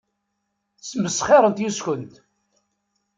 Ssmesxirent yes-kent.